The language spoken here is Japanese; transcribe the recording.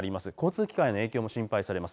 交通機関への影響も心配されます。